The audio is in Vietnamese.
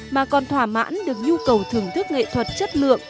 mà còn thỏa mãn được nhu cầu thưởng thức nghệ thuật chất lượng